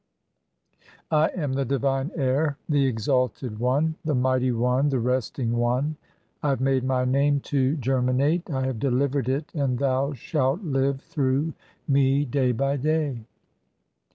I am the divine Heir, the exalted one(?), "the Mighty One, the Resting One. I have made my name to "germinate, (5) I have delivered [it], and thou shalt live through "me day by day."